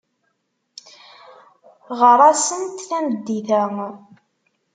Ɣer-asent tameddit-a.